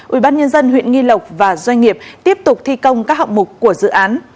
ubnd huyện nghi lộc và doanh nghiệp tiếp tục thi công các hạng mục của dự án